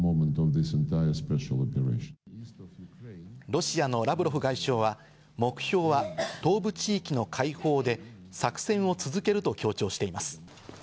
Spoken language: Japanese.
ロシアのラブロフ外相は、目標は東部地域の解放で作戦を続けると強調しています。